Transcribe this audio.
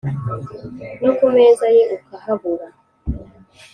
no ku meza ye ukahabura